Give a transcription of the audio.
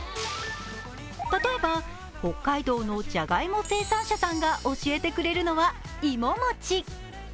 例えば北海道のじゃがいも生産者さんが教えてくれるのはいももち。